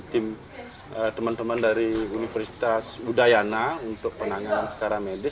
tim teman teman dari universitas udayana untuk penanganan secara medis